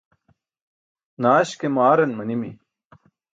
Naaś ke maaran manimi.